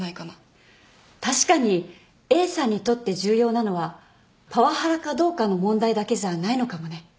確かにＡさんにとって重要なのはパワハラかどうかの問題だけじゃないのかもね。